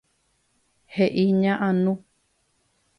He'i ña Anu.